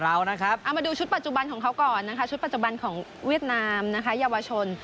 เอานะครับเอามาดูชุดปัจจุบันของเขาก่อนนะคะชุดปัจจุบันของเวียดนามนะคะเยาวชน